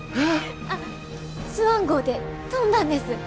あっスワン号で飛んだんです。